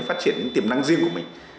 phát triển những tiềm năng riêng của mình